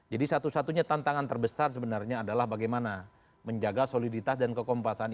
jadi satu satunya tantangan terbesar sebenarnya adalah bagaimana menjaga soliditas dan kekompasannya